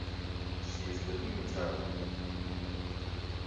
She is living in Tauranga.